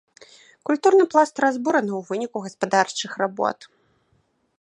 Культурны пласт разбураны ў выніку гаспадарчых работ.